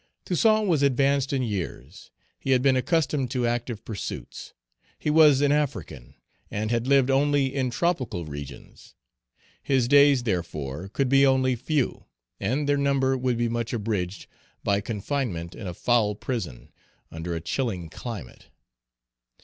Toussaint was advanced in years. He had been accustomed to active pursuits. He was an African, and had lived only in tropical regions. His days, therefore, could be only few, and their number would be much abridged by confinement in a foul prison, under a chilling climate.